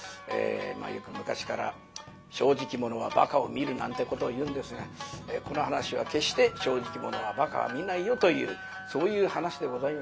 よく昔から「正直者はばかを見る」なんてことを言うんですがこの噺は決して「正直者はばかを見ないよ」というそういう噺でございます。